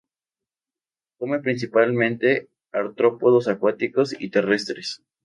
Come principalmente artrópodos acuáticos y terrestres.